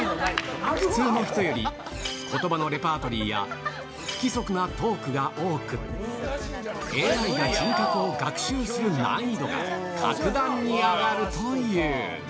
普通の人よりことばのレパートリーや、不規則なトークが多く、ＡＩが人格を学習する難易度が格段に上がるという。